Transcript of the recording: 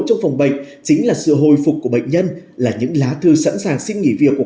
trong phòng bệnh chính là sự hồi phục của bệnh nhân là những lá thư sẵn sàng xin nghỉ việc của